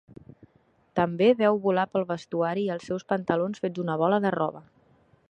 També veu volar pel vestuari els seus pantalons fets una bola de roba.